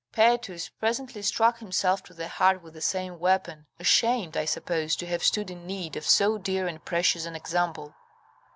Paetus presently struck himself to the heart with the same weapon, ashamed, I suppose, to have stood in need of so dear and precious an example.